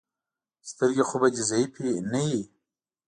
سترګې خو به دې ضعیفې نه وي.